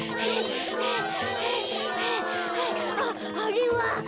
あっあれは！